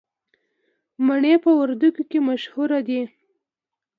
مڼې په وردګو کې مشهورې دي